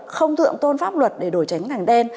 không thượng tôn pháp luật để đổi trắng thành đen